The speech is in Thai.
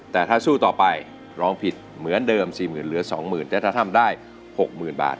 แต่ถ้าสู้ต่อไปร้องผิดเหมือนเดิมสี่หมื่นเหลือสองหมื่นแต่ถ้าทำได้หกหมื่นบาท